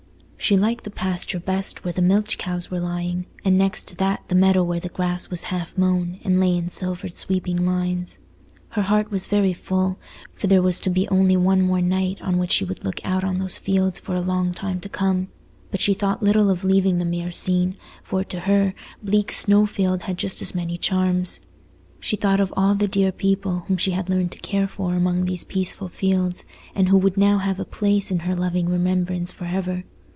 She liked the pasture best where the milch cows were lying, and next to that the meadow where the grass was half mown, and lay in silvered sweeping lines. Her heart was very full, for there was to be only one more night on which she would look out on those fields for a long time to come; but she thought little of leaving the mere scene, for, to her, bleak Snowfield had just as many charms. She thought of all the dear people whom she had learned to care for among these peaceful fields, and who would now have a place in her loving remembrance for ever.